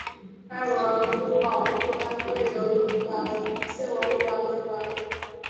该文物保护单位由东辽县文物管理所管理。